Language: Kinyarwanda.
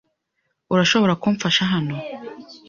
Urashobora kumfasha hano?